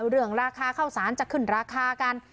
เรื่องราคาข้าวสารจะขึ้นราคากัน